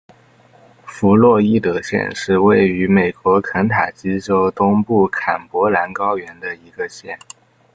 弗洛伊德县是位于美国肯塔基州东部坎伯兰高原的一个县。